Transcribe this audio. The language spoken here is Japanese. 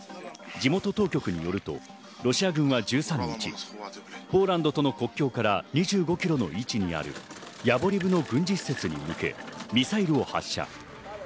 地元当局によると、ロシア軍は１３日、ポーランドとの国境から２５キロの位置にあるヤボリブの軍事施設に向けミサイルを発射。